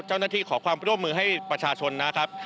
เจ้าหน้าที่ขอความพร่อมมือให้ประชาชนนะครับ